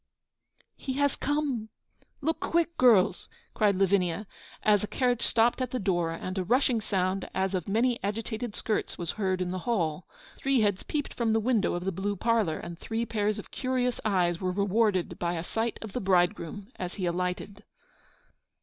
'He has come! Look quick, girls!' cried Lavinia, as a carriage stopped at the door, and a rushing sound, as of many agitated skirts, was heard in the hall. Three heads peeped from the window of the blue parlour, and three pairs of curious eyes were rewarded by a sight of the bridegroom, as he alighted.